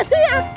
iya bener banget